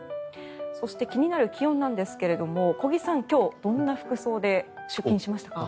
そして気になる気温なんですけれども小木さん、今日どんな服装で出勤しましたか？